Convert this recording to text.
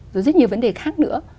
rồi rất nhiều vấn đề khác nữa